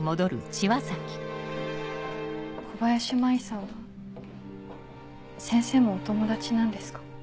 小林舞衣さんは先生もお友達なんですか？